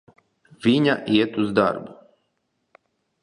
Viņa iet uz darbu.